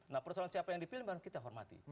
nah persoalan siapa yang dipilih baru kita hormati